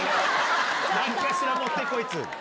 なんかしら持ってこい。